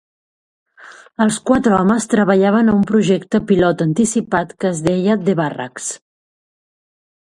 Els quatre homes treballaven a un projecte pilot anticipat que es deia The Barracks.